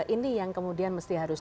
ini yang kemudian mesti harus